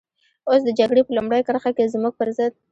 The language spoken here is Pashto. اوس د جګړې په لومړۍ کرښه کې زموږ پر ضد.